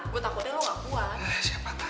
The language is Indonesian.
gue takutnya lo gak puan